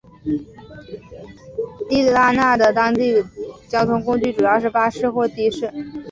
地拉那的当地交通工具主要是巴士或的士。